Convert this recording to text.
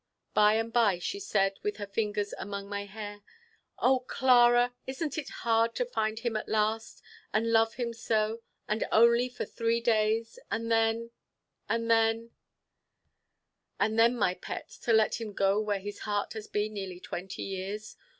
By and by she said, with her fingers among my hair: "Oh, Clara, isn't it hard to find him at last, and love him so, and only for three days, and then, and then " "And then, my pet, to let him go where his heart has been nearly twenty years.